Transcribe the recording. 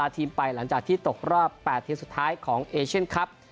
ทีมไปหลังจากที่ตกรอบ๘ทีมสุดท้ายของเอเชียนครับ